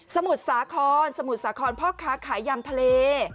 สมุดสาขอนสมุดสาขอนพ่อขาขายยามทะเล